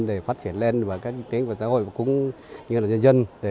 để phát triển lên và các tính vật giáo hội cũng như là dân dân